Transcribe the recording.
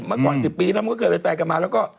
มากกว่าสิบปีแล้วมันก็เกิดไปแฟนกลับมาแล้วก็